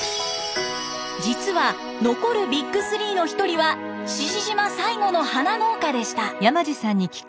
実は残るＢＩＧ３の一人は志々島最後の花農家でした。